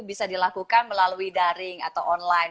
bisa dilakukan melalui daring atau online